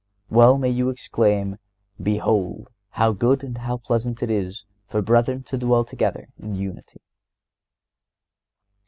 Well may you exclaim: "Behold how good and how pleasant it is for brethren to dwell together in unity."